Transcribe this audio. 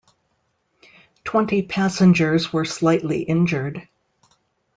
Twenty passengers were slightly injured.